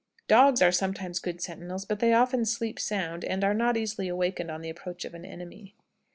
Dogs are sometimes good sentinels, but they often sleep sound, and are not easily awakened on the approach of an enemy.